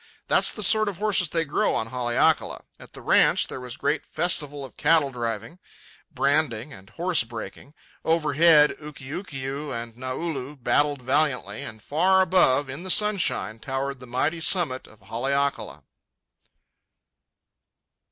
That's the sort of horses they grow on Haleakala. At the ranch there was great festival of cattle driving, branding, and horse breaking. Overhead Ukiukiu and Naulu battled valiantly, and far above, in the sunshine, towered the mighty summit of Haleakala.